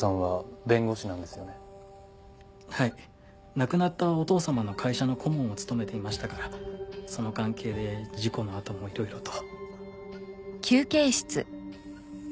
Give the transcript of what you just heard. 亡くなったお父様の会社の顧問を務めていましたからその関係で事故のあともいろいろと。